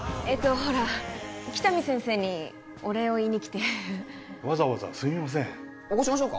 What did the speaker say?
ほら喜多見先生にお礼を言いに来てわざわざすみません起こしましょうか？